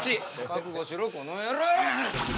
覚悟しろこの野郎！